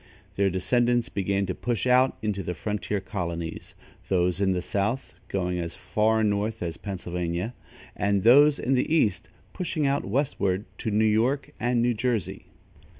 Their descendants began to push out into the frontier colonies, those in the south going as far north as Pennsylvania, and those in the east pushing out westward to New York and New Jersey.